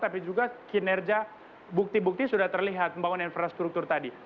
tapi juga kinerja bukti bukti sudah terlihat membangun infrastruktur tadi